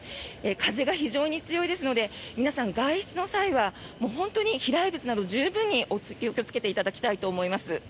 風が非常に強いですので皆さん、外出の際は本当に飛来物など十分にお気をつけいただきたいと思います。